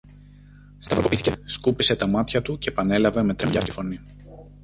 Σταυροκοπήθηκε, σκούπισε τα μάτια του κι επανέλαβε με τρεμουλιάρικη φωνή